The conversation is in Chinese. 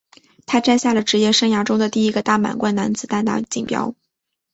他摘下了职业生涯中的第一个大满贯男子单打锦标。